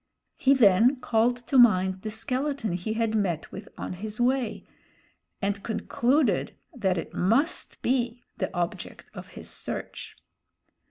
He then called to mind the skeleton he had met with on his way, and concluded that it must be the object of his search.